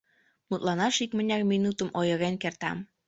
Мутланаш икмыняр минутым ойырен кертам.